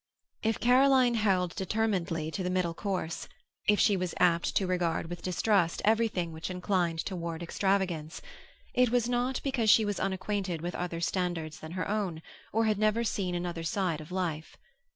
If Caroline held determinedly to the middle course, if she was apt to regard with distrust everything which inclined toward extravagance, it was not because she was unacquainted with other standards than her own, or had never seen another side of life.